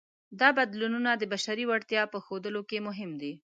دا بدلونونه د بشري وړتیا په ښودلو کې مهم دي.